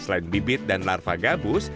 selain bibit dan larva gabus